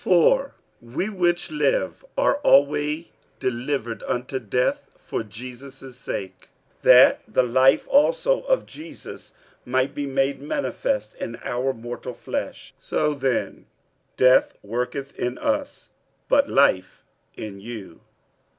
47:004:011 For we which live are alway delivered unto death for Jesus' sake, that the life also of Jesus might be made manifest in our mortal flesh. 47:004:012 So then death worketh in us, but life in you.